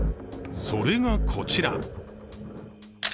それがこちら。